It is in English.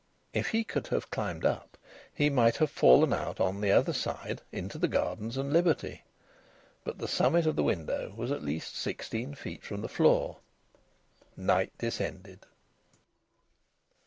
If he could have climbed up, he might have fallen out on the other side into the gardens and liberty. But the summit of the window was at least sixteen feet from the floor. Night descended.